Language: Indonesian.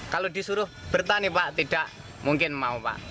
kalau disuruh bertani pak tidak mungkin mau pak